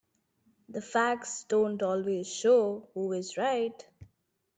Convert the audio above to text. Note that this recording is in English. The facts don't always show who is right.